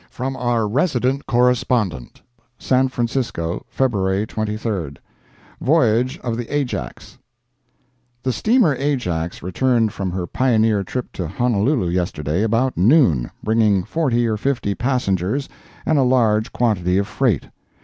] FROM OUR RESIDENT CORRESPONDENT SAN FRANCISCO, February 23. VOYAGE OF THE AJAX The steamer Ajax returned from her pioneer trip to Honolulu yesterday about noon, bringing forty or fifty passengers and a large quantity of freight.